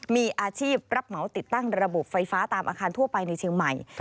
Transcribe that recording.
มีอาชีพรับเหมาติดตั้งระบบไฟฟ้าตามอาคารทั่วไปในเชียงใหม่